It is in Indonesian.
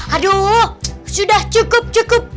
aduh sudah cukup cukup